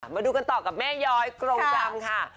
ดูกันกันต่อกับแม่ย้อยกรงกลำค่ะ